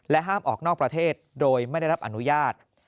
ห้ามออกนอกประเทศโดยไม่ได้รับอนุญาต